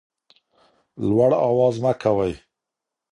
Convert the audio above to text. لوړ اواز مه کوئ.